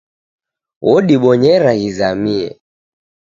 Wodibonyera ghizamie.